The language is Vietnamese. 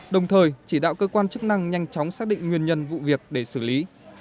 đồng thời chỉ đạo cơ quan chức năng nhanh chóng xác định nguyên nhân vụ việc để xử lý